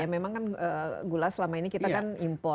ya memang kan gula selama ini kita kan impor